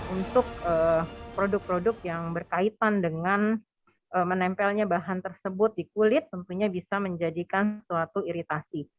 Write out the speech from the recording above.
untuk produk produk yang berkaitan dengan menempelnya bahan tersebut di kulit tentunya bisa menjadikan suatu iritasi